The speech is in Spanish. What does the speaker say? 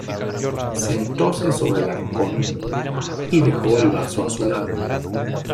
sentóse sobre el arcón, y dejó el vaso a su lado: